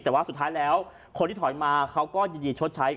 แต่ว่าสุดท้ายแล้วคนที่ถอยมาเขาก็ยินดีชดใช้